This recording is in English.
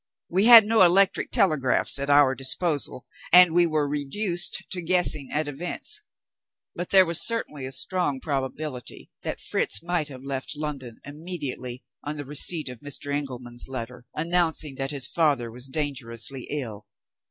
We had no electric telegraphs at our disposal, and we were reduced to guessing at events. But there was certainly a strong probability that Fritz might have left London immediately on the receipt of Mr. Engelman's letter, announcing that his father was dangerously ill.